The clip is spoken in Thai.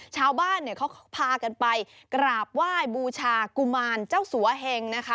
ชาวบ้านเนี่ยเขาพากันไปกราบไหว้บูชากุมารเจ้าสัวเหงนะคะ